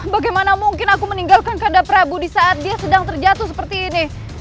bagaimana mungkin aku meninggalkan kada prabu di saat dia sedang terjatuh seperti ini